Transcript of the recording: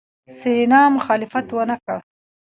سېرېنا مخالفت ونکړ.